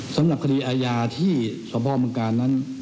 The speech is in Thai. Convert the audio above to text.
สำหรับคดีอาญาที่สพเมืองกาลนั้น